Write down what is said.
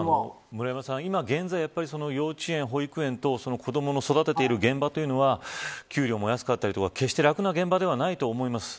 今、現在幼稚園保育園等子どもを育てている現場は給料も安かったりと決して楽な現場ではないと思います。